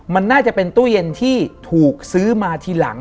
มันน่าจะเป็นตู้เย็นที่ถูกซื้อมาทีหลัง